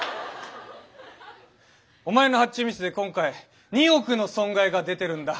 お前の発注ミスで今回２億の損害が出てるんだ。